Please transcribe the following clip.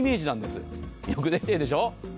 よくできているでしょう。